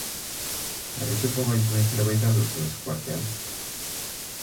Harrituko gaituen zerbait al duzu esku artean?